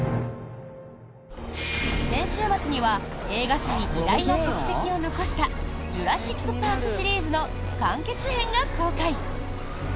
先週末には映画史に偉大な足跡を残した「ジュラシック・パーク」シリーズの完結編が公開。